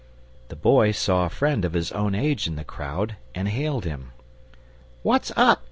The Boy saw a friend of his own age in the crowd and hailed him. "What's up?"